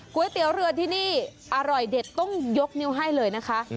ก๋วยเตี๋ยวเรือที่นี่อร่อยเด็ดต้องยกนิ้วให้เลยนะคะ